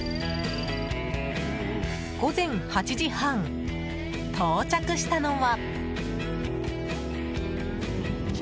午前８時半、到着したのは。